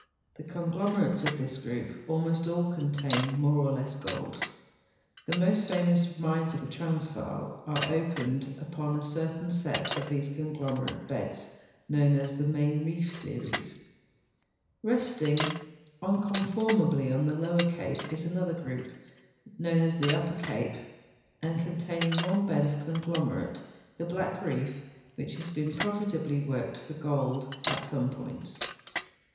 The conglom erates of this group almost all contain more or less gold. The most famous mines of the Transvaal are o})ened ui>on a certain set of these conglomerate beds known as the Main Reef series. Resting unconformably on the Lower Cape is another grou]) known as the Upper Cai)e and containing one bed of conglom erate, the Black Reef, which has been profitabl}'' worked for gold at .some points.